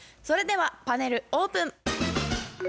それではパネルオープン。